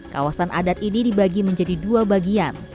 kawasan adat ini dibagi menjadi dua bagian